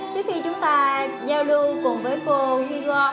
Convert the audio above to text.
trước khi chúng ta giao lưu cùng với cô jigore